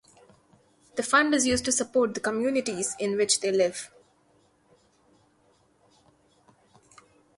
The fund is used to support the communities in which they live.